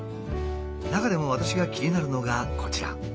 中でも私が気になるのがこちら。